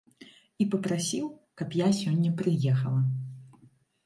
І папрасіў, каб я сёння прыехала.